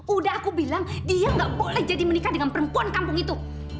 udah aku bilang dia nggak boleh jadi menikah dengan perempuan kampung itu